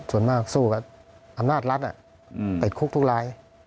ส่วนมากสู้กับอำนาจรัฐติดคุกทุกราย